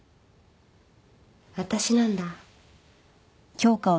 私なんだ